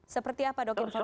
seperti apa dok informasinya